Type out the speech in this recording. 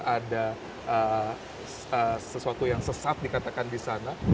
ada sesuatu yang sesat dikatakan di sana